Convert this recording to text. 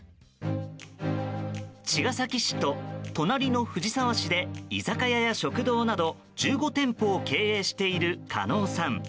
茅ヶ崎市と隣の藤沢市で居酒屋や食堂など１５店舗を経営している加納さん。